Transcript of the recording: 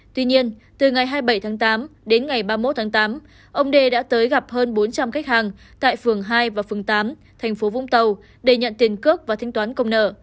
tuy nhiên từ ngày hai mươi bảy tháng tám đến ngày ba mươi một tháng tám ông đê đã tới gặp hơn bốn trăm linh khách hàng tại phường hai và phường tám thành phố vũng tàu để nhận tiền cước và thanh toán công nợ